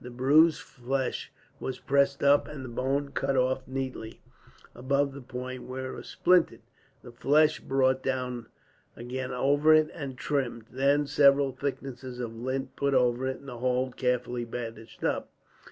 The bruised flesh was pressed up, the bone cut off neatly, above the point where it was splintered, the flesh brought down again over it and trimmed, then several thicknesses of lint put over it, and the whole carefully bandaged up.